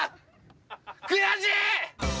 悔しい！